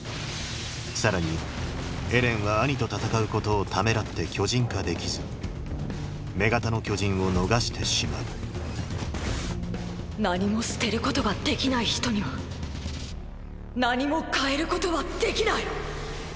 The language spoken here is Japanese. さらにエレンはアニと戦うことをためらって巨人化できず女型の巨人を逃してしまう何も捨てることができない人には何も変えることはできない。